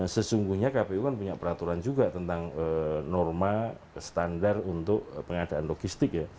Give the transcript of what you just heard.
sesungguhnya kpu kan punya peraturan juga tentang norma standar untuk pengadaan logistik ya